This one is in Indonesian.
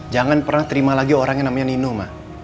jangan pernah terima lagi orang yang namanya nino